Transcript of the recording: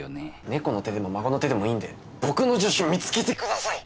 猫の手でも孫の手でもいいんで僕の助手見つけてください！